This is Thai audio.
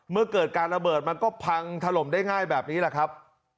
เมื่อเกิดการระเบิดมันก็พังถล่มได้ง่ายแบบนี้แหละครับ